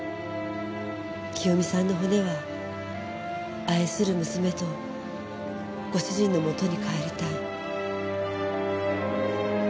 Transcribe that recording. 清美さんの骨は愛する娘とご主人のもとに帰りたい。